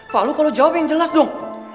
fah lu kalo jawab yang jelas dong